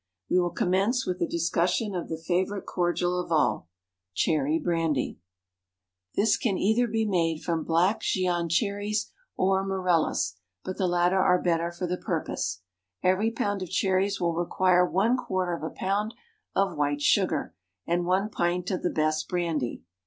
We will commence with the discussion of the favourite cordial of all, Cherry Brandy. This can either be made from Black Gean cherries, or Morellas, but the latter are better for the purpose. Every pound of cherries will require one quarter of a pound of white sugar, and one pint of the best brandy.